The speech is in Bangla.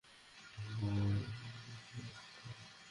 তবে কাশির সঙ্গে যদি জ্বর হয়, তাহলে কিন্তু গুরুত্ব দিতে হবে।